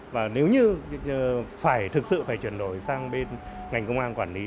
và nếu như phải thực sự phải chuyển đổi sang bên ngành công an quản lý